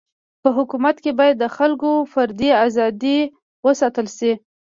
په حکومت کي باید د خلکو فردي ازادي و ساتل سي.